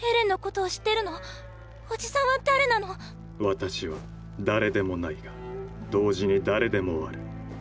私は誰でもないが同時に誰でもある。